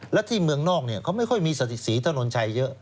และที่เมืองนอกเขาไม่ค่อยมีสถิศรีถนนชัยเยอะ